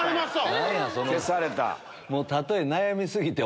消された？